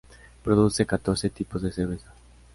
Produce catorce tipos de cerveza.